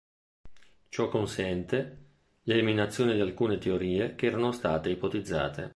Ciò consente l'eliminazione di alcune teorie che erano state ipotizzate.